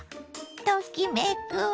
ときめくわ。